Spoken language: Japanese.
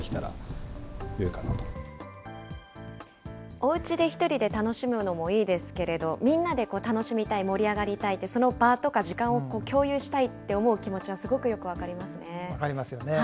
お家で１人で楽しむのもいいですけれど、みんなで楽しみたい、盛り上がりたいって、その場とか時間を共有したいって思う気持ちはすごくよく分かりま分かりますよね。